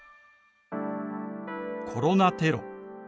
「コロナテロ」。